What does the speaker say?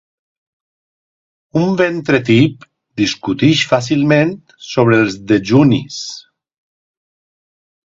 Un ventre tip discuteix fàcilment sobre els dejunis.